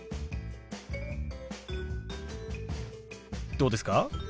どうですか？